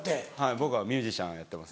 僕はミュージシャンやってます。